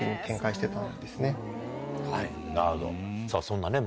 そんなね